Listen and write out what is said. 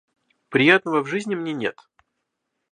Приятного в жизни мне нет.